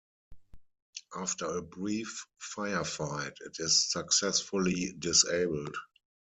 After a brief firefight, it is successfully disabled.